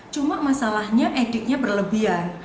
cuma masalahnya ediknya berlebihan